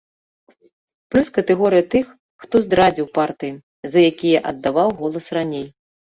Плюс катэгорыя тых, хто здрадзіў партыям, за якія аддаваў голас раней.